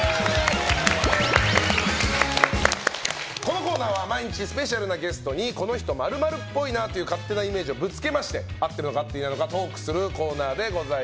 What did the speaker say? このコーナーは毎日スペシャルなゲストをお招きしてこの人○○っぽいという勝手なイメージをぶつけまして合ってるのか、合ってないのかトークするコーナーです。